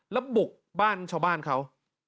แล้วบุกบ้านชาวบ้านเขา